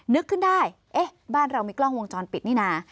นึกขึ้นได้เอ๊ะบ้านเรามีกล้องวงจรปิดนี่นะ